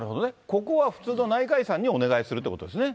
ここは普通の内科医さんにお願いするということですね。